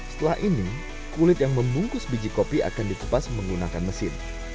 setelah ini kulit yang membungkus biji kopi akan dikupas menggunakan mesin